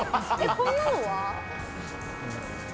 こんなのは？